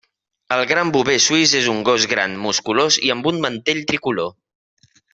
El Gran bover suís és un gos gran, musculós i amb un mantell tricolor.